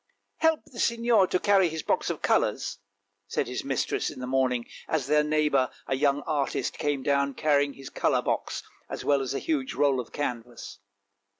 " Help the Signor to carry his box of colours," said his mistress in the morning, as their neighbour, a young artist, came down carrying his colour box as well as a huge roll of canvas.